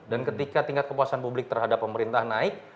dan ketika tingkat kepuasan publik terhadap pemerintah naik